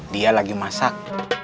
dia lagi masak